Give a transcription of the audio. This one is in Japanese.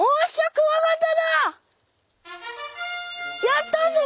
やったぞ！